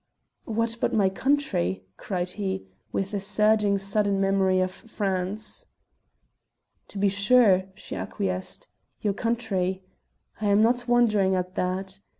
"What but my country!" cried he, with a surging sudden memory of France. "To be sure!" she acquiesced, "your country! I am not wondering at that.